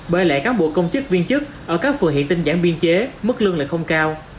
bởi lại các bộ công chức viên chức ở các phường hiện tinh giãn biên chế mức lương lại không cao